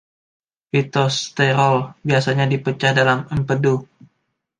Fitosterol biasanya dipecah dalam empedu.